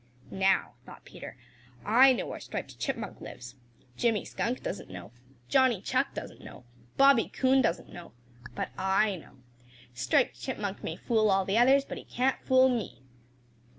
"Now," thought Peter, "I know where Striped Chipmunk lives. Jimmy Skunk doesn't know. Johnny Chuck doesn't know. Bobby Coon doesn't know. But I know. Striped Chipmunk may fool all the others, but he can't fool me."